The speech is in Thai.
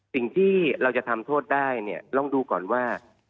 สิ่งที่เราจะทำโทษได้เนี่ยลองดูก่อนว่า